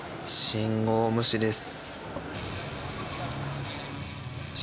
信号無視です。